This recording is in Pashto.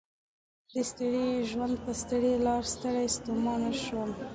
د ستړي ژوند په ستړي لار ستړی ستومان شوم